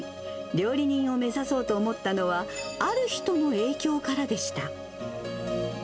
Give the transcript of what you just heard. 料理人を目指そうと思ったのは、ある人の影響からでした。